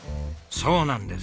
そうなんです。